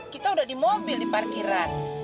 kita udah di mobil di parkiran